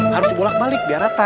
harus bolak balik biar rata